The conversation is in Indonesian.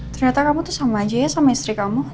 ternyata kamu tuh sama aja ya sama istri kamu